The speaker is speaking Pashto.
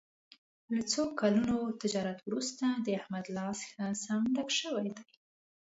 له څو کلونو تجارت ورسته د احمد لاس ښه سم ډک شوی دی.